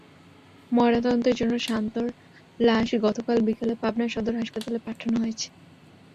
ময়নাতদন্তের জন্য শান্তর লাশ গতকাল বিকেলে পাবনা সদর হাসপাতালে পাঠানো হয়েছে।